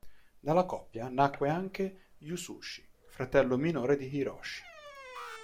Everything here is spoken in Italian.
Dalla coppia nacque anche Yasushi, fratello minore di Hiroshi.